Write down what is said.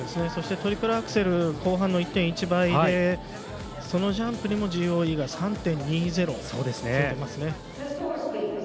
そしてトリプルアクセル後半、１．１倍でそのジャンプにもＧＯＥが３．２０ついています。